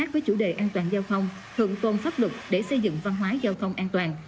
với chủ đề an toàn giao thông thượng tôn pháp luật để xây dựng văn hóa giao thông an toàn